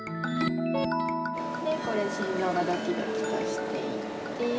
でこれ心ぞうがドキドキとしていて。